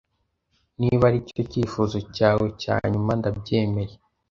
niba aricyo cyifuzo cyawe cya nyuma ndabyemeye